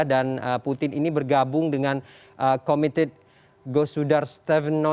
dan putin ini bergabung dengan komite gosudarstevnoevo